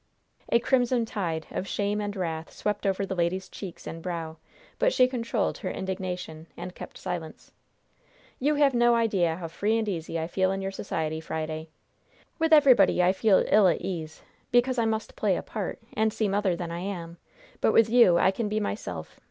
A crimson tide of shame and wrath swept over the lady's cheeks and brow, but she controlled her indignation, and kept silence. "You have no idea how free and easy I feel in your society, Friday. With everybody I feel ill at ease, because I must play a part and seem other than I am. But with you I can be myself.